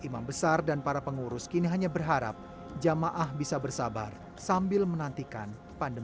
momen idul fitri dan idul latha istiqlal biasanya dipadati oleh umat yang ingin beribadah